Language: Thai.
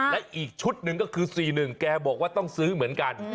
และอีกชุดหนึ่งก็คือ๔๑แกบอกว่าต้องซื้อเหมือนกัน